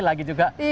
lagi juga ini